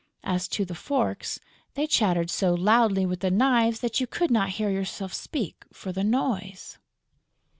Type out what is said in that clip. As to the forks, they chattered so loudly with the knives that you could not hear yourself speak for the noise....